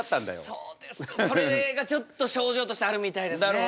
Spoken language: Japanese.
そうですかそれがちょっと症状としてあるみたいですね。